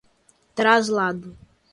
traslado